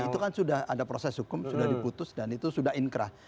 itu kan sudah ada proses hukum sudah diputus dan itu sudah inkrah